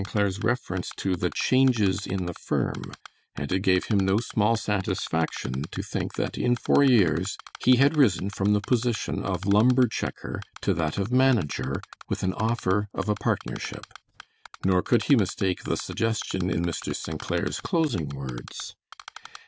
Clair's reference to the changes in the firm, and it gave him no small satisfaction to think that in four years he had risen from the position of lumber checker to that of manager, with an offer of a partnership; nor could he mistake the suggestion in Mr. St. Clair's closing words.